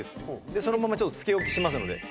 でそのままちょっとつけ置きしますので。